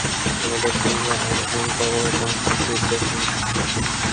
আমাদের সঙ্গে আরোহণ কর এবং কাফিরদের সঙ্গী হয়ো না।